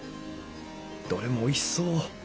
どれもおいしそう。